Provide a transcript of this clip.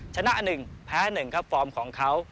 ชนะ๑แพ้๑ครับฟอร์มของเขา